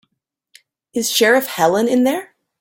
Is Sheriff Helen in there?